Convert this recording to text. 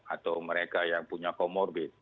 atau mereka yang punya comorbid